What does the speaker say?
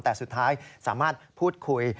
แต่สุดท้ายสามารถพูดคุย